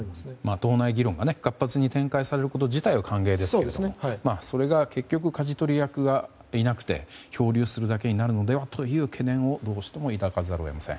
党内議論が活発に展開されること自体は歓迎ですけれどもそれが結局かじ取り役がいなくて漂流するだけになるのではという懸念をどうしても抱かざるを得ません。